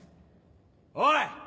おい！